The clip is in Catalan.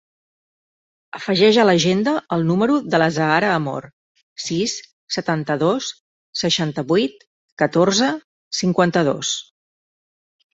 Afegeix a l'agenda el número de l'Azahara Amor: sis, setanta-dos, seixanta-vuit, catorze, cinquanta-dos.